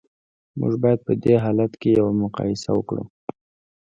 موږ باید په دې حالت کې یوه مقایسه وکړو